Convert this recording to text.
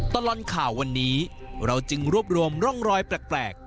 ตลอดข่าววันนี้เราจึงรวบรวมร่องรอยแปลก